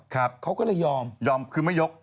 ครับเขาก็เลยยอมยอมคือไม่ยก